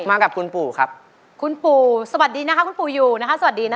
มากับคุณปู่ครับคุณปู่สวัสดีนะคะคุณปู่อยู่นะคะสวัสดีนะคะ